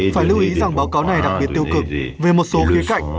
phải lưu ý rằng báo cáo này đặc biệt tiêu cực về một số khía cạnh